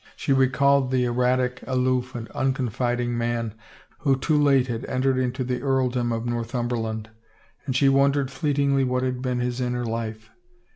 She recalled the erratic, aloof and unconfiding man who too late had entered into the earldom of Northumberland and she wondered fleetingly what had been his inner life.